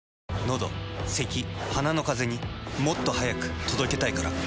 のどせき鼻のカゼにもっと速く届けたいから。